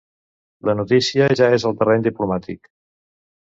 La notícia ja és al terreny diplomàtic.